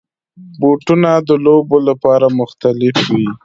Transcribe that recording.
بوټونه د لوبو لپاره مختلف وي.